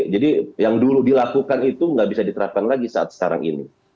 jadi yang dulu dilakukan itu nggak bisa diterapkan lagi saat sekarang ini